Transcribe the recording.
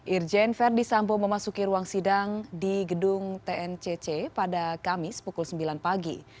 irjen verdi sambo memasuki ruang sidang di gedung tncc pada kamis pukul sembilan pagi